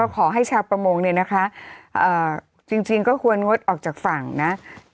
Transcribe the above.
ขอให้ชาวประมงจริงก็ควรงดออกจากฝั่งนะ